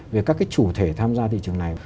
về các chủ thể tham gia thị trường này